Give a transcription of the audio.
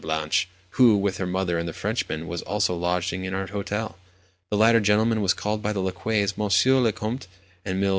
Blanche, who, with her mother and the Frenchman, was also lodging in our hotel. The latter gentleman was called by the lacqueys "Monsieur le Comte," and Mlle.